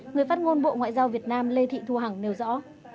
người phát ngôn bộ ngoại giao việt nam lê thị thu hằng nêu rõ